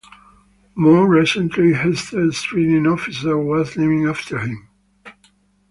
More recently Hester Street in Officer was named after him.